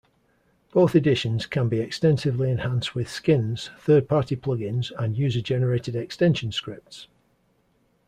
Both editions can be extensively enhanced with skins, third-party plugins, and user-generated extension scripts.